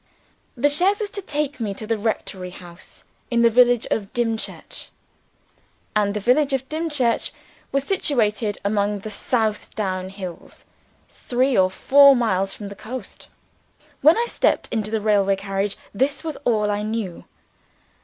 The chaise was to take me to the rectory house in the village of Dimchurch. And the village of Dimchurch was situated among the South Down Hills, three or four miles from the coast. When I stepped into the railway carriage, this was all I knew.